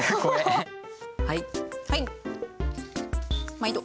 毎度。